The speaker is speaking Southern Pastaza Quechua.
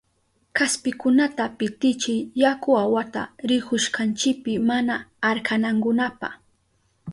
Kaspikunata pitichiy yaku awata rihushkanchipi mana arkanankunapa.